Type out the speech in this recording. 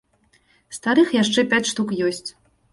Старых яшчэ пяць штук есць.